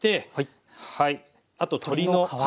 あと鶏の皮。